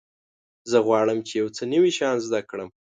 زه غواړم چې یو څه نوي شیان زده کړم.